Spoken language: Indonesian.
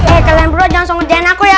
eh kalian berdua jangan langsung ngedian aku ya